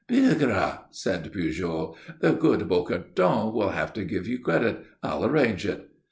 "Bigre!" said Pujol. "The good Bocardon will have to give you credit. I'll arrange it."